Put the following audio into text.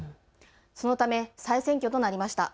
そのため再選挙となりました。